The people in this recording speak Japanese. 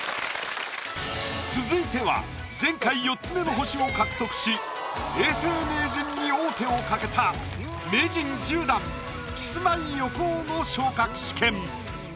続いては前回４つ目の星を獲得し永世名人に王手をかけた名人１０段キスマイ横尾の昇格試験。